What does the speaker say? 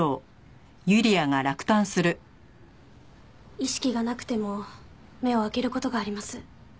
意識がなくても目を開ける事があります。